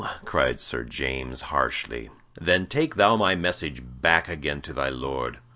cried Sir James, harshly. "Then take thou my message back again to thy Lord.